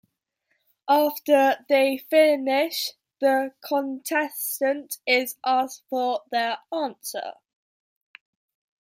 After they finish, the contestant is asked for their answer.